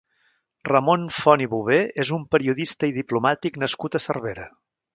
Ramon Font i Bové és un periodista i diplomàtic nascut a Cervera.